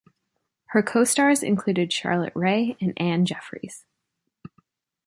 Her co-stars included Charlotte Rae and Anne Jeffreys.